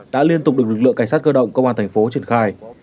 đã liên tục được lực lượng cảnh sát cơ động công an thành phố